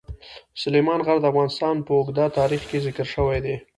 سلیمان غر د افغانستان په اوږده تاریخ کې ذکر شوی دی.